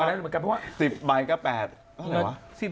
เพราะว่า๑๐ใบก็๘อะไรวะ